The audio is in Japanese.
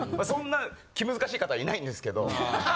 そんな気難しい方はいないんですけど。